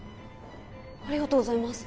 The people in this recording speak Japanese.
ありがとうございます。